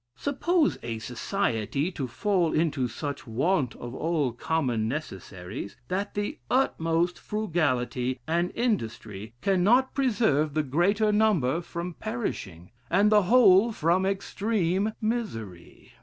Suppose a society to fall into such want of all common necessaries, that the utmost frugality and industry cannot preserve the greater number from perishing, and the whole from extreme misery.